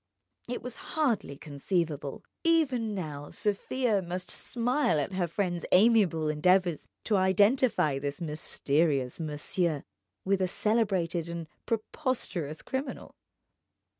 It was hardly conceivable; even now Sofia must smile at her friend's amiable endeavours to identify this mysterious monsieur with a celebrated and preposterous criminal.